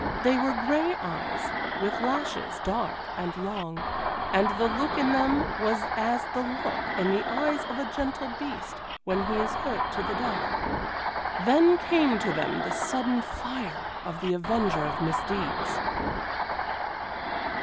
They were gray eyes, with lashes dark and long, and the look in them was as the look in the eyes of a gentle beast when he is hurt to the death; then came to them the sudden fire of the avenger of misdeeds.